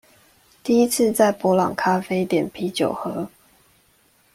第一次在伯朗咖啡點啤酒喝